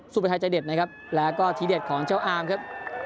ประทัยใจเด็ดนะครับแล้วก็ทีเด็ดของเจ้าอามครับ